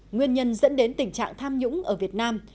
nguyên nhân dẫn đến tình trạng tham nhũng ở việt nam